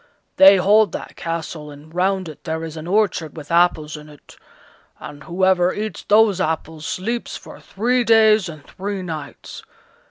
They hold that castle, and round it there is an orchard with apples in it, and whoever eats those apples sleeps for three days and three nights.